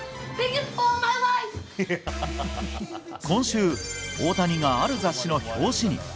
今週、大谷がある雑誌の表紙に。